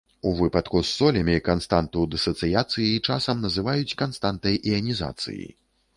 У выпадку з солямі, канстанту дысацыяцыі часам называюць канстантай іанізацыі.